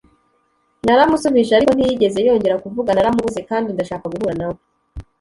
naramusubije ariko ntiyegeze yongera kuvuga naramubuze kandi ndashaka guhura na we